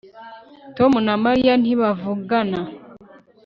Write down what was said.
Tom na Mariya ntibavugana